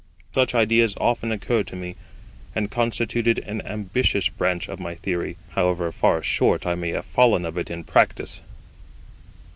Such ideas often occurred to me, and constituted an ambitious branch of my theory, however far short I may have fallen of it in practice.